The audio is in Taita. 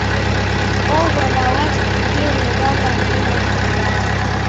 Oghora wasikire waw'angilo Zakayo.